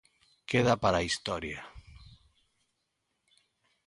Queda para a historia.